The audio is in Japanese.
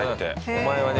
お前はね